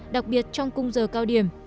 đặc biệt trong cung giờ cao điểm